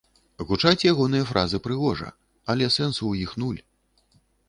Гучаць ягоныя фразы прыгожа, але сэнсу ў іх нуль.